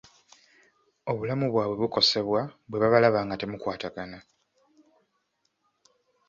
Obulamu bwabwe bukosebwa bwe babalaba nga temukwatagana.